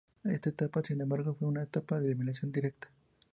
Esta etapa, sin embargo, fue una etapa de eliminación directa.